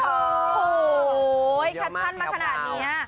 โอ้โหแคปชั่นมาขนาดนี้